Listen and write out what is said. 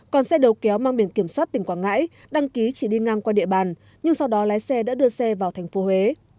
còn xe đầu kéo mang biển kiểm soát tỉnh quảng ngãi đăng ký chỉ đi ngang qua địa bàn nhưng sau đó lái xe đã đưa xe vào thành phố huế